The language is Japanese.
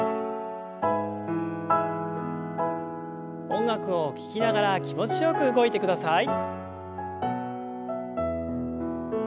音楽を聞きながら気持ちよく動いてください。